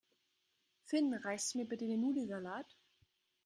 Finn, reichst du mir bitte den Nudelsalat?